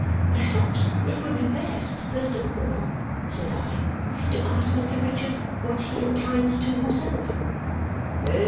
"Perhaps it would be best, first of all," said I, "to ask Mr. Richard what he inclines to himself."